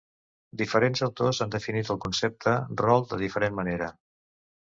Diferents autors han definit el concepte rol de diferent manera.